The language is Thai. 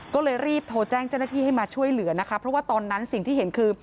ก็เลยรีบโทรแจ้งเจ้าหน้าที่ให้มาช่วยเหลือนะคะเพราะว่าตอนนั้นสิ่งที่เห็นคือ